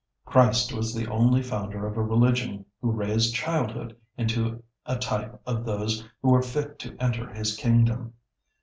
Christ was the only founder of a religion who raised childhood into a type of those who were fit to enter His Kingdom.